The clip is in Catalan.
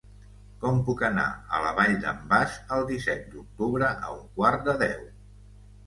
Com puc anar a la Vall d'en Bas el disset d'octubre a un quart de deu?